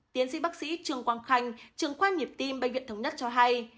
tiến sĩ bác sĩ trương quang khanh trường khoa nhịp tim bệnh viện thống nhất cho hay